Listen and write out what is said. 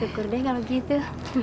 syukur deh kalau gitu